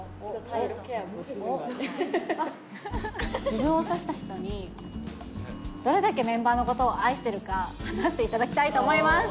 自分をさした人に、どれだけメンバーのことを愛しているか、話していただきたいと思います。